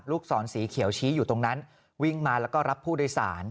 ศรสีเขียวชี้อยู่ตรงนั้นวิ่งมาแล้วก็รับผู้โดยสาร